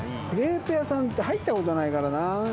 クレープ屋さんって入ったことないからなぁ。